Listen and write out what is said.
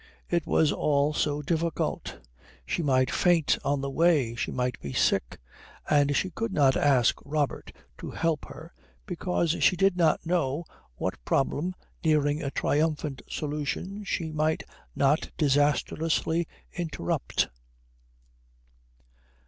It was all so difficult. She might faint on the way. She might be sick. And she could not ask Robert to help her because she did not know what problem nearing a triumphant solution she might not disastrously interrupt.